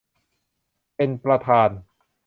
เป็นประธาน